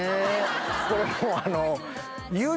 これもう。